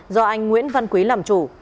do anh nguyễn văn quý làm chủ